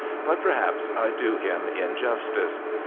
But per haps I do him injustice.